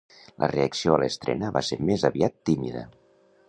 La reacció a l'estrena van ser més aviat tímida.